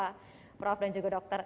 sampai jumpa prof dan juga dokter